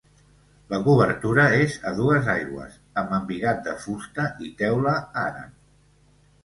La coberta és a dues aigües amb embigat de fusta i teula àrab.